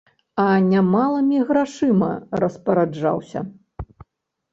А немалымі грашыма распараджаўся.